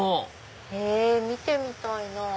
へぇ見てみたいなぁ。